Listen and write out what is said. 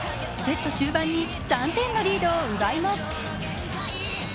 セット終盤に３点のリードを奪います。